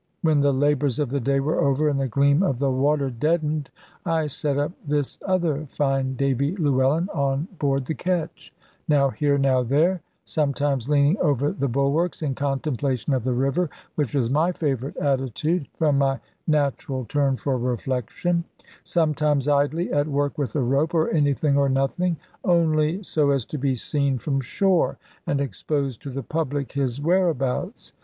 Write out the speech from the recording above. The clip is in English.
When the labours of the day were over, and the gleam of the water deadened, I set up this other fine Davy Llewellyn on board the ketch, now here now there, sometimes leaning over the bulwarks in contemplation of the river (which was my favourite attitude, from my natural turn for reflection), sometimes idly at work with a rope, or anything or nothing, only so as to be seen from shore, and expose to the public his whereabouts.